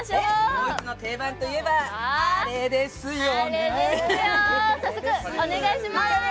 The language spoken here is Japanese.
ドイツの定番といえば、あれですよね！